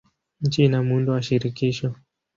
Nchi ina muundo wa shirikisho.